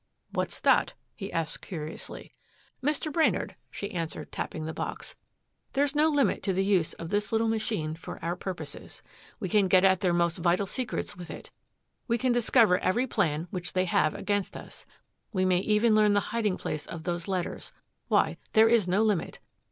"What's that?" he asked curiously. "Mr. Brainard," she answered tapping the box, "there's no limit to the use of this little machine for our purposes. We can get at their most vital secrets with it. We can discover every plan which they have against us. We may even learn the hiding place of those letters Why, there is no limit.